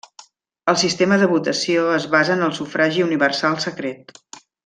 El sistema de votació es basa en el sufragi universal secret.